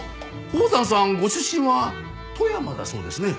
宝山さんご出身は富山だそうですね。